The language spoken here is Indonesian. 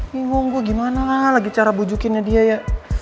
bingung gue gimana lagi cara bujukinnya dia ya